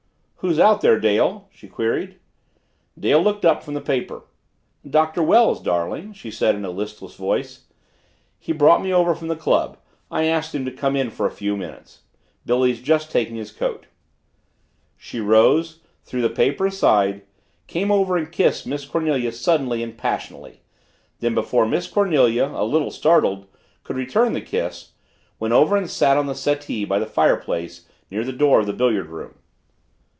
"Who's out there, Dale?" she queried. Dale looked up from the paper. "Doctor Wells, darling," she said in a listless voice. "He brought me over from the club; I asked him to come in for a few minutes. Billy's just taking his coat." She rose, threw the paper aside, came over and kissed Miss Cornelia suddenly and passionately then before Miss Cornelia, a little startled, could return the kiss, went over and sat on the settee by the fireplace near the door of the billiard room.